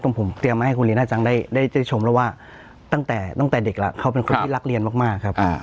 ผมเตรียมมาให้คุณลีน่าจังได้ชมแล้วว่าตั้งแต่ตั้งแต่เด็กแล้วเขาเป็นคนที่รักเรียนมากครับ